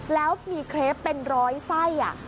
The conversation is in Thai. แล้วมีเครปเป็นร้อยไส้